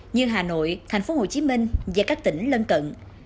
như hà nội thành phố hồ chí minh và các tỉnh lân cận